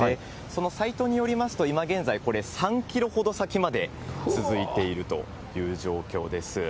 そのサイトによりますと、今現在、これ３キロほど先まで続いているという状況です。